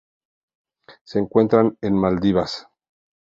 Se encuentran en las Maldivas.